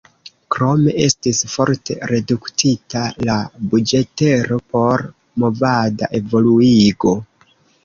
Krome estis forte reduktita la buĝetero por "movada evoluigo".